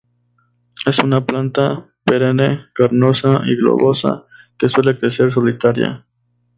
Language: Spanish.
Es una planta perenne carnosa y globosa que suele crecer solitaria.